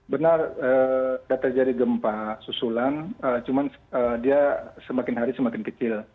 benar data jari gempa susulan cuma dia semakin hari semakin kecil